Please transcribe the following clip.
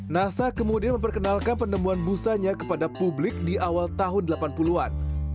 nasa kemudian memperkenalkan penemuan busanya kepada publik di awal tahun delapan puluh an